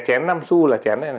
chén nam su là chén này